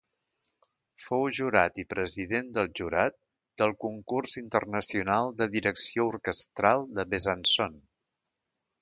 Fou jurat i president del jurat del concurs internacional de direcció orquestral de Besançon.